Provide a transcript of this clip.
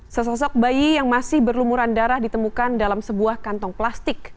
sesosok bayi yang masih berlumuran darah ditemukan dalam sebuah kantong plastik